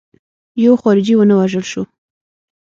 یو خارجي ونه وژل شو.